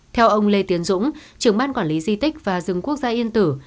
theo ông lê tiến dũng trưởng ban quản lý di tích và rừng quốc gia yên tử